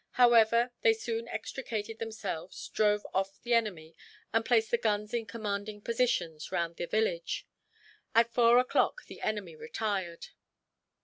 However, they soon extricated themselves, drove off the enemy, and placed the guns in commanding positions round the village. At four o'clock the enemy retired.